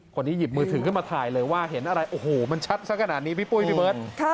หยิบมือถือขึ้นมาถ่ายเลยว่าเห็นอะไรโอ้โหมันชัดสักขนาดนี้พี่ปุ้ยพี่เบิร์ต